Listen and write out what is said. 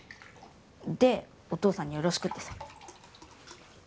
でお父さんによろしくってさ。